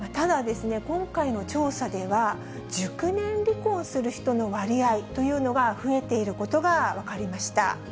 ただですね、今回の調査では、熟年離婚する人の割合というのが増えていることが分かりました。